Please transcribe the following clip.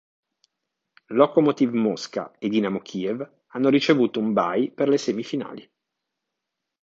Lokomotiv Mosca e Dinamo Kiev hanno ricevuto un "bye" per le semifinali.